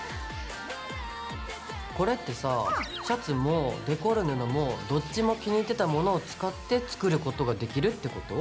これってさシャツもデコる布もどっちも気に入ってたものを使って作ることができるってこと？